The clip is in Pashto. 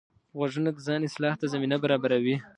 غوږونه د ځان اصلاح ته زمینه برابروي